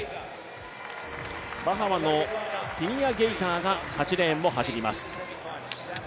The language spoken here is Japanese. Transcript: バハマのティニア・ゲイターが８レーンを走ります。